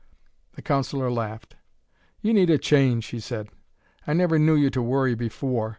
The counsellor laughed. "You need a change," he said; "I never knew you to worry before.